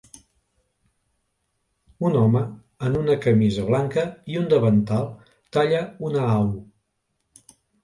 Un home en una camisa blanca i un davantal talla una au.